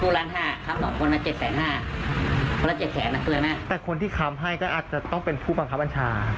ค่ะเหล่าเป็นผมนักแขนมามือไหมแต่คนที่ทำให้แต่อาจจะต้องเป็นผู้บังคับอัญชาใช่ไหม